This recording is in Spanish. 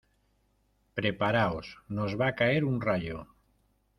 ¡ preparaos! nos va a caer un rayo.